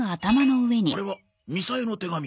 あれはみさえの手紙。